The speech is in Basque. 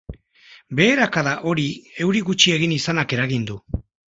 Beherakada hori euri gutxi egin izanak eragin du.